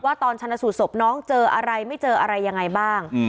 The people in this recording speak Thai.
ตอนชนสูตรศพน้องเจออะไรไม่เจออะไรยังไงบ้าง